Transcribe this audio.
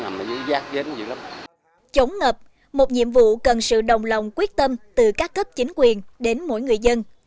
một nhiệm vụ cần sự đồng lòng quyết tâm từ các cấp chính quyền đến mỗi người dân